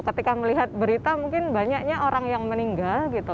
ketika melihat berita mungkin banyaknya orang yang meninggal gitu